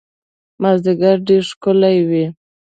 مازیګر ډېر ښکلی وي